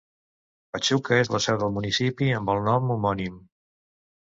Pachuca és la seu del municipi amb el nom homònim.